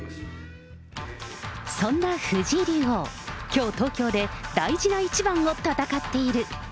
そんな藤井竜王、きょう東京で、大事な一番を戦っている。